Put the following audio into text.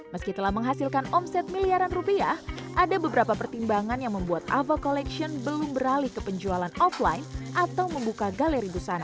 meski telah menghasilkan omset miliaran rupiah ada beberapa pertimbangan yang membuat ava collection belum beralih ke penjualan offline atau membuka galeri busana